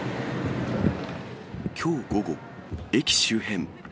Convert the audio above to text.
きょう午後、駅周辺。